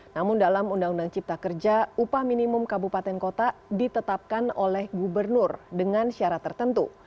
namun dalam undang undang cipta kerja upah minimum kabupaten kota ditetapkan oleh gubernur dengan syarat tertentu